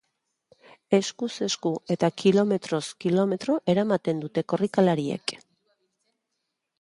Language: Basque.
Eskuz esku eta kilometroz kilometro eramaten dute korrikalariek.